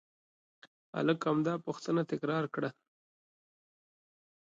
هلک همدا پوښتنه تکرار کړه.